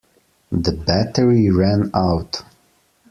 The battery ran out.